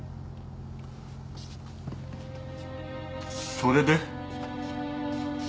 それで？